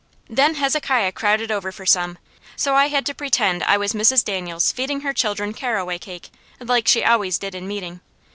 Then Hezekiah crowded over for some, so I had to pretend I was Mrs. Daniels feeding her children caraway cake, like she always did in meeting.